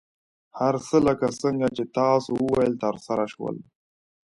هر څه لکه څنګه چې تاسو وویل، ترسره شول.